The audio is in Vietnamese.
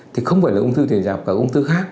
thì không phải là ung thư tuyệt giáp cả là ung thư khác